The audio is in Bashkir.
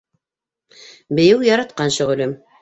Бейеү - яратҡан шөғөлөм